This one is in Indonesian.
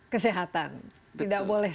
kesehatan tidak boleh